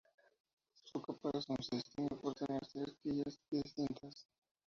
Su caparazón se distingue por tener tres quillas distintas.